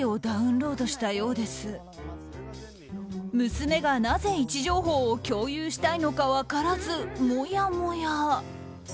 娘がなぜ位置情報を共有したいのか分からずもやもや。